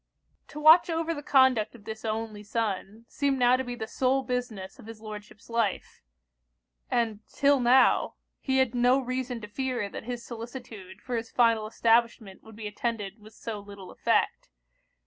To watch over the conduct of this only son, seemed now to be the sole business of his Lordship's life: and 'till now, he had no reason to fear that his solicitude for his final establishment would be attended with so little effect.